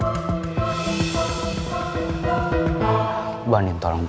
tapi ya udah sudah nyokok